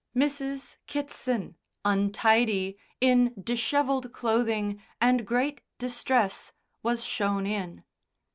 Mrs. Kitson, untidy, in dishevelled clothing, and great distress, was shown in.